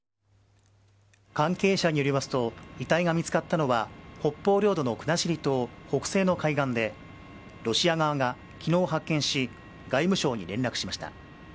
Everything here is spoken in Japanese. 関係者によりますと遺体が見つかったのは北方領土の国後島、北西の海岸でロシア側が昨日、発見し外務省に連絡しました。